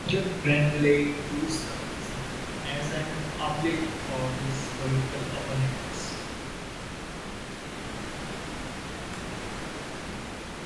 Sir Richard Grenville used the prison as an oubliette for his political opponents.